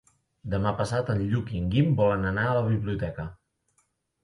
Demà passat en Lluc i en Guim volen anar a la biblioteca.